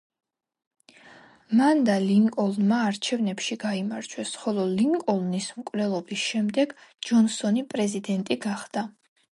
მან და ლინკოლნმა არჩევნებში გაიმარჯვეს, ხოლო ლინკოლნის მკვლელობის შემდეგ ჯონსონი პრეზიდენტი გახდა.